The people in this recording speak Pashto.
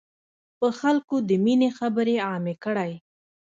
په خلکو د ميني خبري عامي کړی.